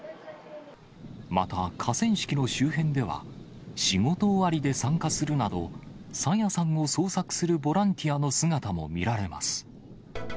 また、河川敷の周辺では、仕事終わりで参加するなど、朝芽さんを捜索するボランティアの姿も見られます。